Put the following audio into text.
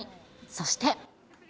そして。